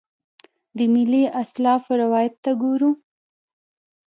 د ملي اسلافو روایت ته ګورو.